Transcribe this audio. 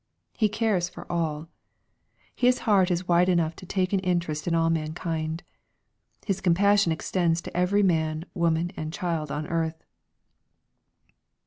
He cares for all. His heart is wide enough to take an interest in all mankind. His compassion extends to every man, woman, and child on earth.